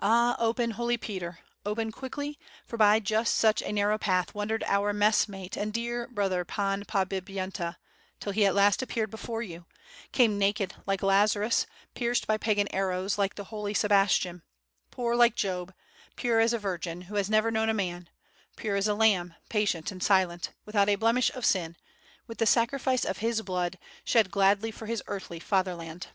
''Ah, open. Holy Peter, open quickly, for by just such a narrow path wandered our mess mate and dear brother Pan Podbipyenta till he at last appeared before you; came naked like Lazarus, pierced by Pagan arrows like the holy Sebastian, poor like Job, pure as a virgin who has never known a man, pure as a lamb, patient and silent, without a blemish of sin, with the sacrifice of his blood, shed gladly for his earthly fatherland.